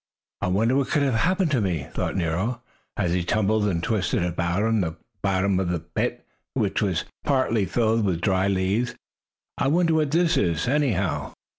"I wonder what can have happened to me," thought Nero, as he tumbled and twisted about on the bottom of the pit, which was partly filled with dried leaves. "I wonder what this is, anyhow!"